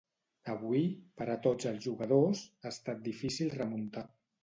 Avui, per a tots els jugadors, ha estat difícil remuntar.